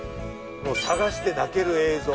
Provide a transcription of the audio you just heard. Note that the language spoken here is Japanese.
探して泣ける映像。